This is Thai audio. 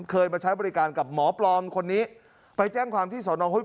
เคยมาใช้บริการกับหมอปลอล์มไปแจ้งความที่สองน้องฮ้อยขวาง